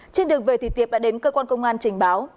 trên đường về thì tiệp đã đến cơ quan công an trình báo